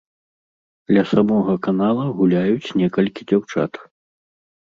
Ля самога канала гуляюць некалькі дзяўчат.